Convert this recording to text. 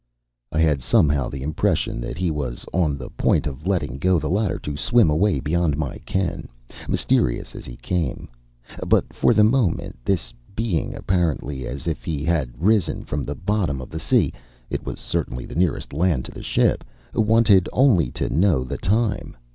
I had somehow the impression that he was on the point of letting go the ladder to swim away beyond my ken mysterious as he came. But, for the moment, this being appearing as if he had risen from the bottom of the sea (it was certainly the nearest land to the ship) wanted only to know the time.